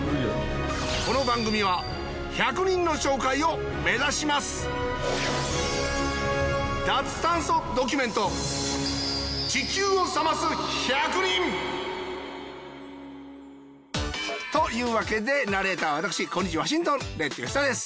この番組は１００人の紹介を目指しますというわけでナレーターは私こんにちワシントンレッド吉田です。